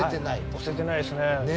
押せてないですね。